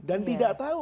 dan tidak tahu